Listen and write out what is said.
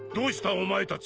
お前たち